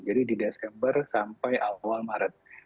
jadi di desember sampai awal maret